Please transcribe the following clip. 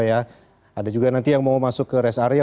ada juga nanti yang mau masuk ke rest area